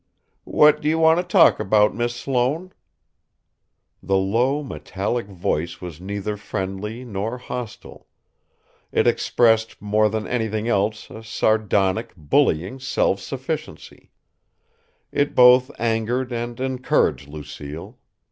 "What do you want to talk about, Miss Sloane?" The low, metallic voice was neither friendly nor hostile. It expressed, more than anything else, a sardonic, bullying self sufficiency. It both angered and encouraged Lucille.